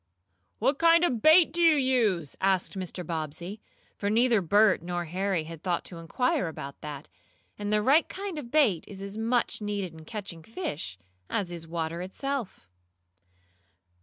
"What kind of bait do you use?" asked Mr. Bobbsey, for neither Bert nor Harry had thought to inquire about that, and the right kind of bait is as much needed in catching fish, as is water itself.